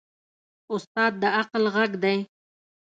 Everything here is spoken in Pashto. استاد د عقل غږ دی.